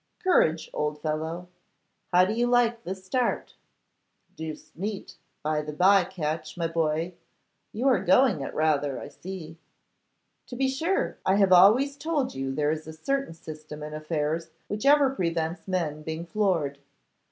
Courage, old fellow! How do you like this start?' 'Deuced neat. By the bye, Catch, my boy, you are going it rather, I see.' 'To be sure. I have always told you there is a certain system in affairs which ever prevents men being floored.